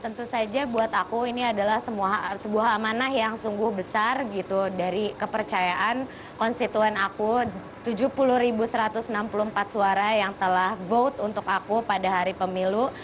tentu saja buat aku ini adalah sebuah amanah yang sungguh besar gitu dari kepercayaan konstituen aku tujuh puluh satu ratus enam puluh empat suara yang telah vote untuk aku pada hari pemilu